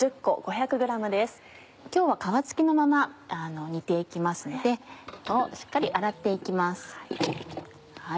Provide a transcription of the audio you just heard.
今日は皮付きのまま煮て行きますのでしっかり洗って行きます。